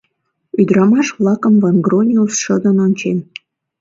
Ӱдырамаш-влакым Ван-Грониус шыдын ончен.